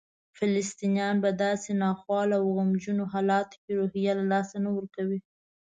فلسطینیان په داسې ناخوالو او غمجنو حالاتو کې روحیه له لاسه نه ورکوي.